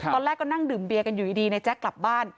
ตอนแรกก็นั่งดื่มเบียกันอยู่ดีในแจ๊กกลับบ้าน